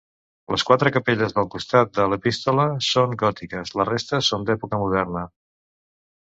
Les quatre capelles del costat de l'epístola són gòtiques, la resta són d'època moderna.